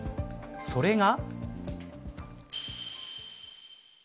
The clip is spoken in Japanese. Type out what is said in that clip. それが。